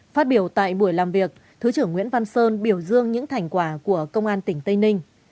phát biểu tại buổi làm việc thứ trưởng nguyễn văn sơn biểu dương những thành quả của công an tỉnh tây ninh